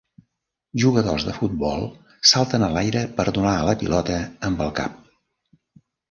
Jugadors de futbol salten a l'aire per donar a la pilota amb el cap